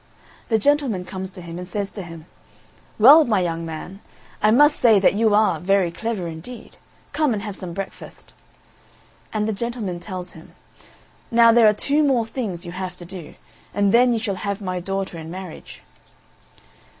The gentleman comes to him, and says to him: "Well, my young man, I must say that you are very clever indeed. Come and have some breakfast." And the gentleman tells him, "Now there are two more things you have to do, and then you shall have my daughter in marriage."